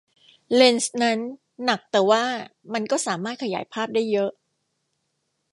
เลนส์นั้นหนักแต่ว่ามันก็สามารถขยายภาพได้เยอะ